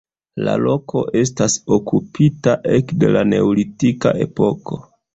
La loko estas okupita ekde la neolitika epoko.